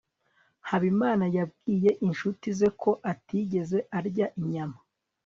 habimana yabwiye inshuti ze ko atigeze arya inyama